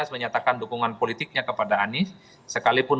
mencari partner politik yang baru